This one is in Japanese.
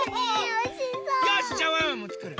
よしっじゃあワンワンもつくる！